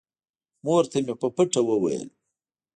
مور ته مې په پټه وويل.